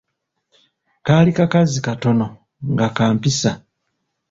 kaali kakazi katono, nga ka mpisa.